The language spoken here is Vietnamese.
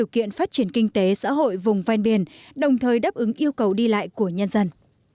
khiến cho nhân dân vô cùng bức xúc